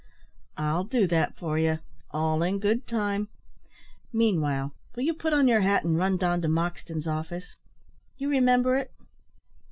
"I'll do that for you, all in good time; meanwhile, will you put on your hat, and run down to Moxton's office you remember it?"